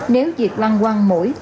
nếu việc loăng quăng mũi